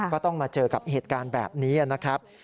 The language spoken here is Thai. ก็ต้องมาเจอกับเหตุการณ์แบบนี้นะครับ